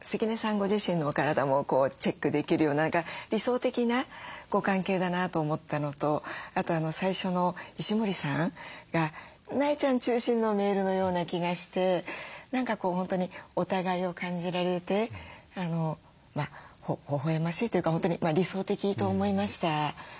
ご自身のお体もチェックできるような理想的なご関係だなと思ったのとあと最初の石森さんが苗ちゃん中心のメールのような気がして何か本当にお互いを感じられてほほえましいというか本当に理想的と思いました。